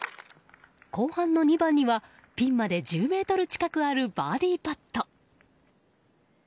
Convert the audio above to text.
後半の２番にはピンまで１０ｍ近くあるバーディーパット。